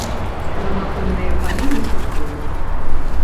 Навакольныя палі не пустуюць.